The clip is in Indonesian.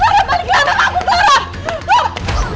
clara baliklah anak aku clara